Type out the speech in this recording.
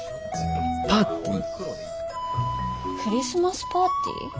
クリスマスパーティー？